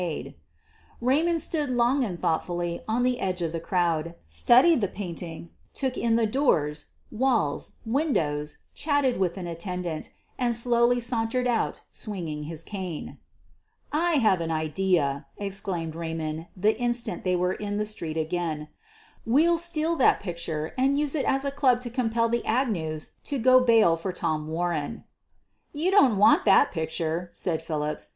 QUEEN OF THE BURGLAES 49 Raymond stood long and thoughtfully on the edge of the crowd, studied the painting, took in the doors, walls, windows, chatted with an attendant, and slowly sauntered out, swinging his cane. "I have the idea," exclaimed Raymond the instant they were in the street again. "We'll steal that picture and use it as a club to compel the Agnews to go bail for Tom Warren.' ' "You don't want that picture," said Philips.